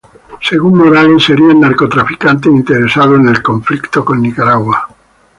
Según Morales serían narcotraficantes interesados en el conflicto con Nicaragua.